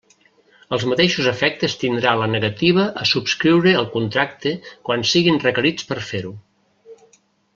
Els mateixos efectes tindrà la negativa a subscriure el contracte quan siguin requerits per fer-ho.